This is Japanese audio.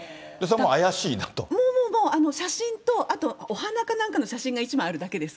もうもう、写真と、あとお花かなんかの写真が１枚あるだけです。